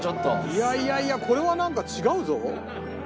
いやいやいやこれはなんか違うぞ。